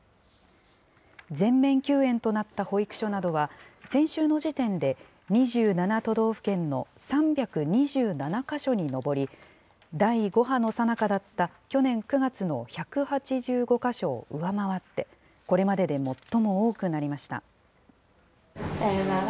全面休園となった保育所などは、先週の時点で２７都道府県の３２７か所に上り、第５波のさなかだった去年９月の１８５か所を上回って、これまでで最も多くなりました。